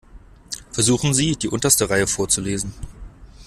Versuchen Sie, die unterste Reihe vorzulesen.